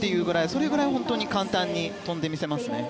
それぐらい簡単に跳んで見せますね。